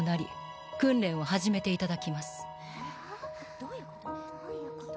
どういうこと？